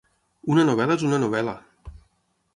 Una novel·la és una novel·la!